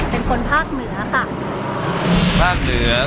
เป็นคนภาคเหนือเอง